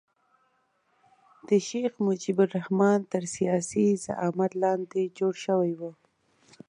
د شیخ مجیب الرحمن تر سیاسي زعامت لاندې جوړ شوی وو.